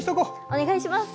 お願いします。